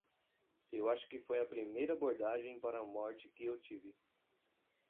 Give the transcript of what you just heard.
Eu acho que foi a primeira abordagem para a morte que eu tive.